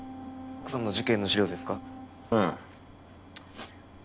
奥さんの事件の資料ですか？